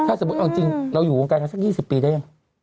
ถ้าสมมุติเอาจริงเราอยู่วงการกันสัก๒๐ปีได้ยัง